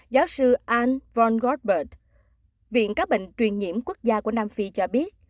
giáo sư anne von goldberg viện các bệnh truyền nhiễm quốc gia của nam phi cho biết